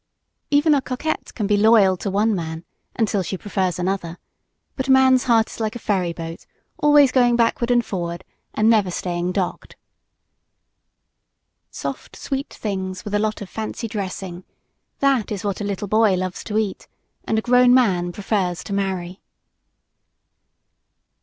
Even a coquette can be loyal to one man until she prefers another; but a man's heart is like a ferry boat always going backward and forward, and never staying "docked." Soft, sweet things with a lot of fancy dressing that is what a little boy loves to eat and a grown man prefers to marry.